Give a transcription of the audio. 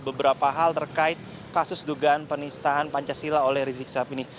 beberapa hal terkait kasus dugaan penistaan pancasila oleh rizik sihab ini